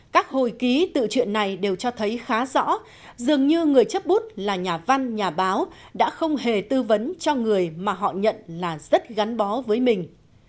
các hồi ký tự chuyện này đều cho thấy khá rõ dường như người chấp bút là nhà văn nhà báo đã không hề tư vấn cho người mà họ nhận là rất gắn bó với mình